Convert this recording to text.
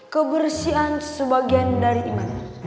kebersihan sebagian dari iman